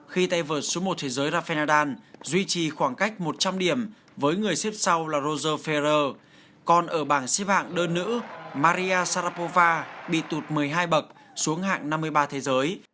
khi tây vợt số một thế giới rafael nadal duy trì khoảng cách một trăm linh điểm với người xếp sau là roger ferrer còn ở bảng xếp hạng đơn nữ maria sarapova bị tụt một mươi hai bậc xuống hạng năm mươi ba thế giới